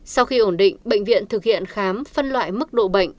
sau khi ổn định bệnh viện thực hiện khám phân loại mức độ bệnh